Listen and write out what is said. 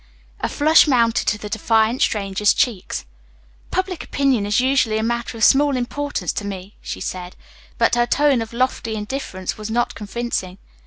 A flush mounted to the defiant stranger's cheeks. "Public opinion is usually a matter of small importance to me," she said, but her tone of lofty indifference was not convincing.